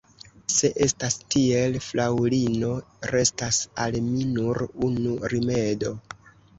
Se estas tiel, fraŭlino, restas al mi nur unu rimedo.